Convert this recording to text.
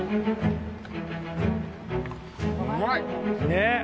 ねっ。